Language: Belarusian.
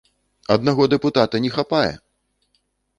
Аднаго дэпутата не хапае!